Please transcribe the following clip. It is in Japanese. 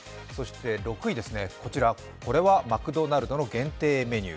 ６位はマクドナルドの限定メニュー。